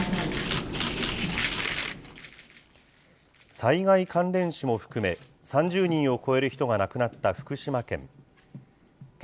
災害関連死も含め、３０人を超える人が亡くなった福島県。